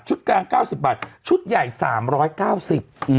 ชุดกลาง๙๐บาทชุดใหญ่๓๙๐บาท